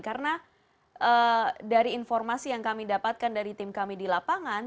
karena dari informasi yang kami dapatkan dari tim kami di lapangan